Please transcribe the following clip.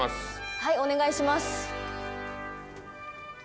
はいお願いします。